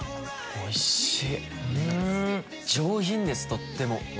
おいしい！